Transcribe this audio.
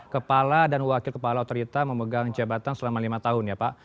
kepala dan wakil kepala otorita memegang jabatan selama lima tahun ya pak